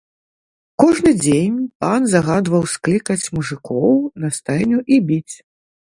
Кожны дзень пан загадваў склікаць мужыкоў на стайню і біць.